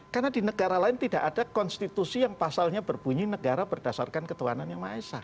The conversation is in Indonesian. karena di negara lain tidak ada konstitusi yang pasalnya berbunyi negara berdasarkan ketuanannya maesa